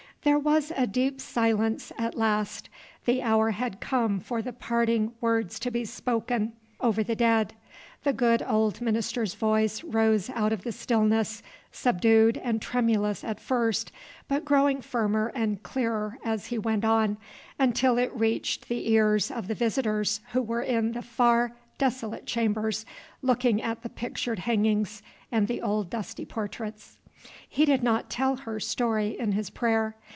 There was a deep silence at last. The hour had come for the parting words to be spoken over the dead. The good old minister's voice rose out of the stillness, subdued and tremulous at first, but growing firmer and clearer as he went on, until it reached the ears of the visitors who were in the far, desolate chambers, looking at the pictured hangings and the old dusty portraits. He did not tell her story in his prayer.